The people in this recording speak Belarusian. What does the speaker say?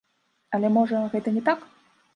Але, можа, гэта не так?